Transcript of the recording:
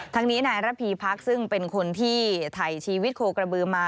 ทั้งนี้นายระพีพักษ์ซึ่งเป็นคนที่ถ่ายชีวิตโคกระบือมา